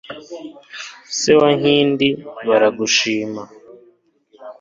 Se wa Nkindi, baragushima